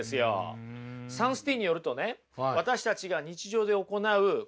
サンスティーンによるとね